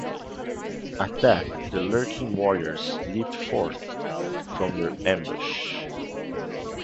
At that, the lurking warriors leap forth from their ambush.